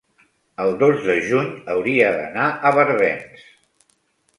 el dos de juny hauria d'anar a Barbens.